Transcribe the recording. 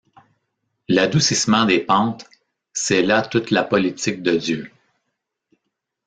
L’adoucissement des pentes, c’est là toute la politique de Dieu.